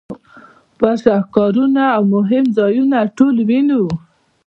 خپل شهکارونه او مهم ځایونه ټول وینو.